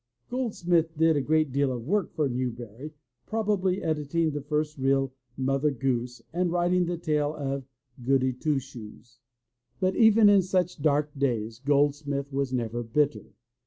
Gold smith did a great deal of work for Newbery, probably editing the first real Mother Goose and writing the tale of Goody Two Shoes. But even in such dark days Goldsmith was never bitter.